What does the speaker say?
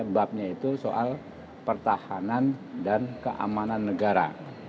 babnya itu soal pertahanan dan keamanan negara